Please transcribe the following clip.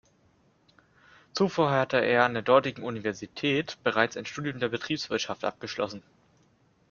Zuvor hatte er an der dortigen Universität bereits ein Studium der Betriebswirtschaft abgeschlossen.